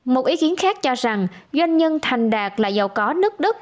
một ý kiến khác cho rằng doanh nhân thành đạt là giàu có nứt đất